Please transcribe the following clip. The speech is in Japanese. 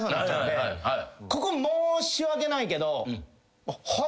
ここ申し訳ないけど。